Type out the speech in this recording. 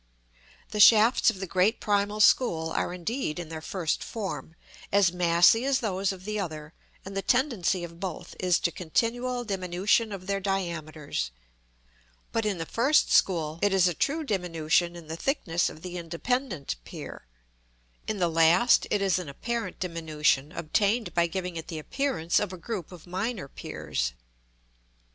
The shafts of the great primal school are, indeed, in their first form, as massy as those of the other, and the tendency of both is to continual diminution of their diameters: but in the first school it is a true diminution in the thickness of the independent pier; in the last, it is an apparent diminution, obtained by giving it the appearance of a group of minor piers.